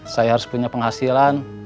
saya harus punya penghasilan